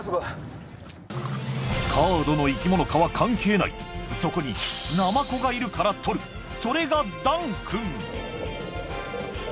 カードの生き物かは関係ないそこにナマコがいるから獲るそれが談くん